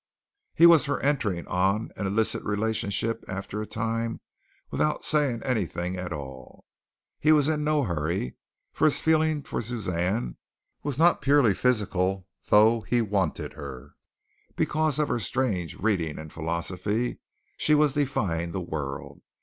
He was for entering on an illicit relationship after a time without saying anything at all. He was in no hurry, for his feeling for Suzanne was not purely physical, though he wanted her. Because of her strange reading and philosophy, she was defying the world.